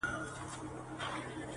څه مي ارام پرېږده ته.